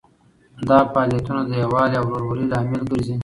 دا فعالیتونه د یووالي او ورورولۍ لامل ګرځي.